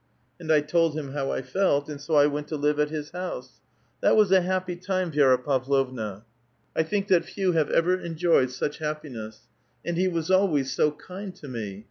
* And I told him how I felt ; and so I went to live at his house. That was a happy time, Vi^ra Pavlovna ; I think that few have ever enjoyed such happiness. And he was always so kind to me.